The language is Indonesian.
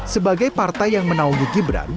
sebagai partai yang menaungi gibran